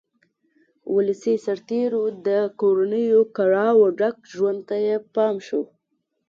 ولسي سرتېرو د کورنیو کړاوه ډک ژوند ته یې پام شو.